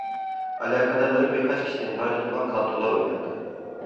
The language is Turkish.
Alakadarları birkaç kişiden ibaret olan kantolar oynandı.